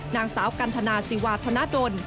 นางสาวกันทนาศิวาธนดล